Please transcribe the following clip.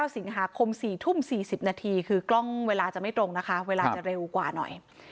สิงหาคม๔ทุ่ม๔๐นาทีคือกล้องเวลาจะไม่ตรงนะคะเวลาจะเร็วกว่าหน่อย